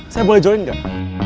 saya boleh join nggak